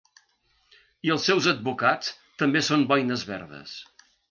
I els seus advocats també són boines verdes.